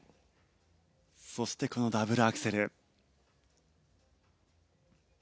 そしてダブルアクセル。